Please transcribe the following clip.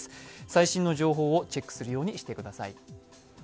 最新の情報をチェックするようにしてください。